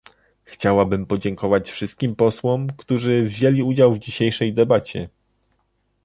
Chciałabym podziękować wszystkim posłom, którzy wzięli udział w dzisiejszej debacie